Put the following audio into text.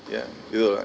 ya gitu lah